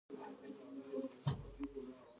ګل خوشبو لري